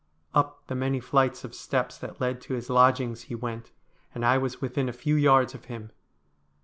Up the many flights of steps that led to his lodgings he went, and I was within a few yards of him.